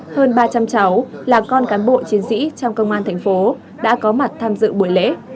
hơn ba trăm linh cháu là con cán bộ chiến sĩ trong công an thành phố đã có mặt tham dự buổi lễ